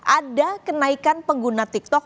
ada kenaikan pengguna tiktok